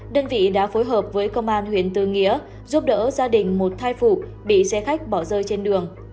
đơn vị đã phối hợp với công an huyện tư nghĩa giúp đỡ gia đình một thai phụ bị xe khách bỏ rơi trên đường